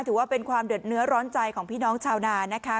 ถือว่าเป็นความเดือดเนื้อร้อนใจของพี่น้องชาวนานะคะ